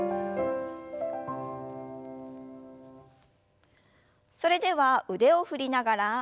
それでは腕を振りながら背中を丸く。